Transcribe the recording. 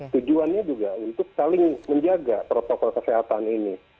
tujuannya juga untuk saling menjaga protokol kesehatan ini